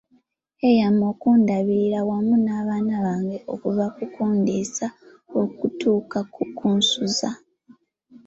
Yeeyama okundabirira wamu n'abaana bange okuva ku kundiisa okutuuka ku kunsuza.